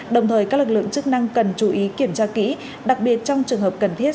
đồng thời các lực lượng chức năng cần chú ý kiểm tra kỹ đặc biệt trong trường hợp cần thiết